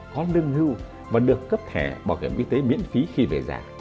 có lương hưu và được cấp thẻ bảo hiểm y tế miễn phí khi về già